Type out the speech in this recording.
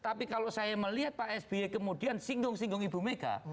tapi kalau saya melihat pak sby kemudian singgung singgung ibu mega